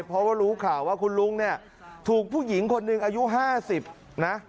เพราะว่ารู้ข่าวว่าคุณลุงเนี่ยถูกผู้หญิงคนหนึ่งอายุ๕๐นะ